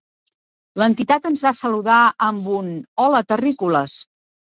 L'entitat ens va saludar amb un "hola terrícoles".